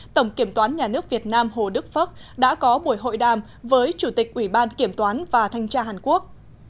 tổng kiểm toán nhà nước việt nam hồ đức phước đã có buổi hội đàm với chủ tịch ủy ban kiểm toán và thanh tra hàn quốc